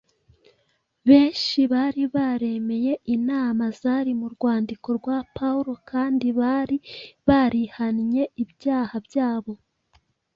Benshi bari baremeye inama zari mu rwandiko rwa Pawulo kandi bari barihanye ibyaha byabo.